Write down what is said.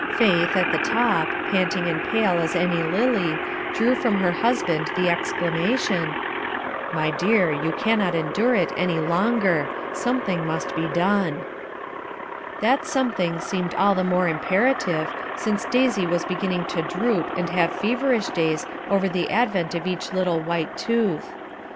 Faith, at the top, panting and pale as any lily, drew from her husband the exclamation: "My dear, you cannot endure it any longer; something must be done." That something seemed all the more imperative, since Daisy was beginning to droop and have feverish days over the advent of each little white tooth.